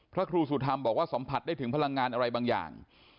พระครูสุธรรมบอกว่าสัมผัสได้ถึงพลังงานอะไรบางอย่าง